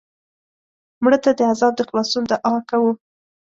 مړه ته د عذاب د خلاصون دعا کوو